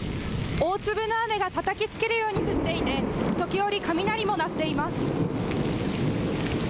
大粒の雨がたたきつけるように降っていて時折、雷も鳴っています。